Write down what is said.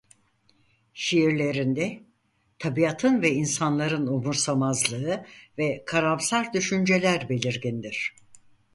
Şiirlerinde tabiatın ve insanların umursamazlığı ve karamsar düşünceler belirgindir.